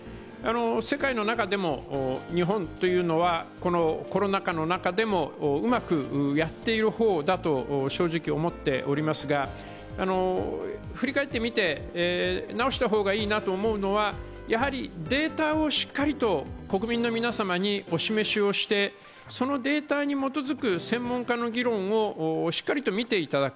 世界の中でも日本というのはコロナ禍の中でもうまくやっている方だと正直思っておりますが、振り返ってみて直した方がいいなと思うのはやはりデータをしっかりと国民の皆様にお示しをしてそのデータに基づく専門家の議論をしっかりと見ていただく。